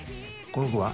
この子は？